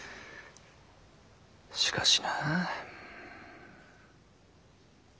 しかしな。